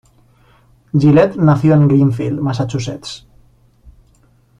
Jillette nació en Greenfield, Massachusetts.